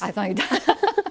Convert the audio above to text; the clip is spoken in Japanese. ハハハハ。